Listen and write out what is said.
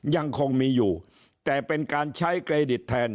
ยังคงมีอยู่แต่เป็นการใช้เครดิตแทน